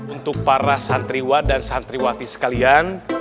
untuk para santriwa dan santriwati sekalian